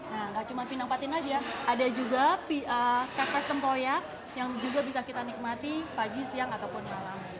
nah gak cuma bindang patin aja ada juga pepes empoyak yang juga bisa kita nikmati pagi siang ataupun malam